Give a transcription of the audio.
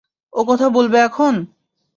ও কথা বলবে এখন?